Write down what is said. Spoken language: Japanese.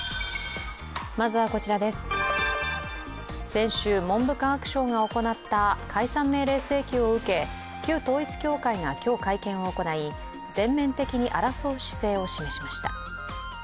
先週、文部科学省が行った解散命令請求を受け、旧統一教会が今日、会見を行い全面的に争う姿勢を示しました。